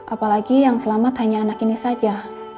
apalagi yang selamat hanya anak ini saja